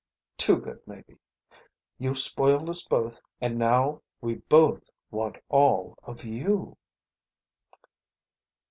Too good, maybe. You've spoiled us both, and now we both want all of you."